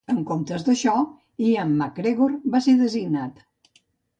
En comptes d'això, Ian MacGregor va ser designat.